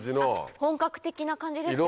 本格的な感じですよね。